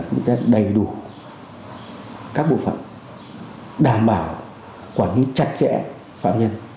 chúng ta đầy đủ các bộ phận đảm bảo quản lý chặt chẽ phạm nhân